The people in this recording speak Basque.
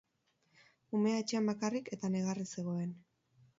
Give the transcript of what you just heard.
Umea etxean bakarrik eta negarrez zegoen.